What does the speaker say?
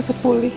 cepet pulih ya